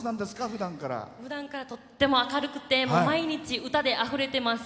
ふだんからとっても明るくて、毎日歌であふれてます。